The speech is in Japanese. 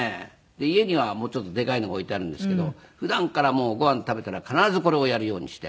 家にはもうちょっとでかいのが置いてあるんですけど普段からご飯食べたら必ずこれをやるようにして。